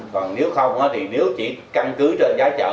còn nếu không thì nếu chỉ căn cứ trên giá chợ